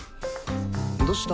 どうした？